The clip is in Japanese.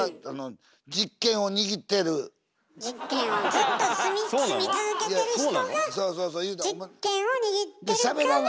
ずっと住み続けてる人が実権を握ってるから。